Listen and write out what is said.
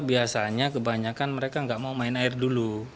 biasanya kebanyakan mereka nggak mau main air dulu